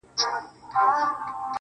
او له سترگو يې څو سپيني مرغلري.